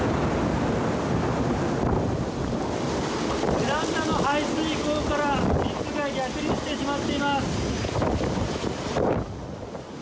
ベランダの排水口から水が逆流してしまっています。